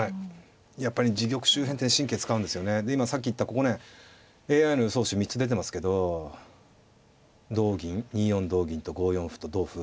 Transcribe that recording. ここねＡＩの予想手３つ出てますけど同銀２四同銀と５四歩と同歩